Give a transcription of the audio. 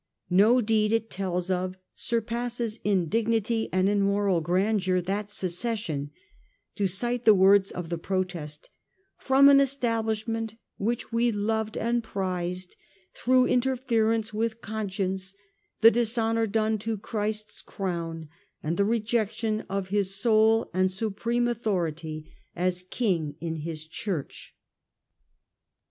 No deed it tells of surpasses in dignity and in moral grandeur that secession — to cite the words of the protest —' from an Establishment which we loved and prized, through interference with conscience, the dishonour done to Christ's crown, and the rejection of his sole and supreme authority as King in his Church.